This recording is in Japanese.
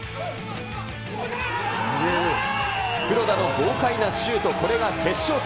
黒田の豪快なシュート、これが決勝点。